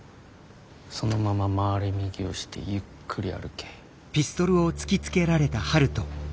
そのまま回れ右をしてゆっくり歩け。